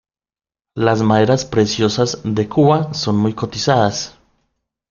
Las maderas preciosas de Cuba son muy cotizadas.